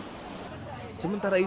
sementara itu gunung manglayang